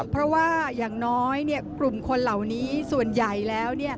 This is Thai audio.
เพราะว่าอย่างน้อยกลุ่มคนเหล่านี้ส่วนใหญ่แล้ว